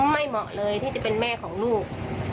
เหมาะเลยที่จะเป็นแม่ของลูก